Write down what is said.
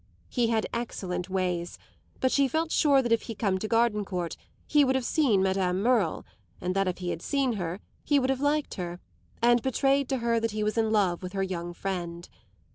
He had excellent ways, but she felt sure that if he had come to Gardencourt he would have seen Madame Merle, and that if he had seen her he would have liked her and betrayed to her that he was in love with her young friend.